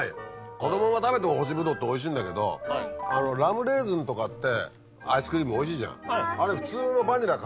このまま食べても干しブドウっておいしいんだけどラムレーズンとかってアイスクリーム。